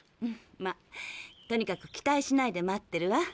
まあとにかく期待しないで待ってるわ。